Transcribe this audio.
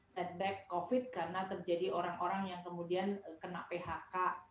setback covid karena terjadi orang orang yang kemudian kena phk